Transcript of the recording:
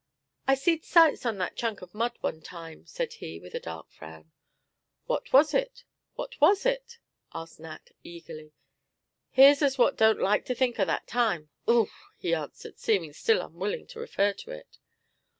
"I seed sights on that chunk of mud one time," said he, with a dark frown. "What was it? what was it?" asked Nat, eagerly. "Here's as what don't like to think of that time, augh!" he answered, seeming still unwilling to refer to it.